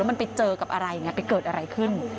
มันไปเจอกับอะไรไงไปเกิดอะไรขึ้น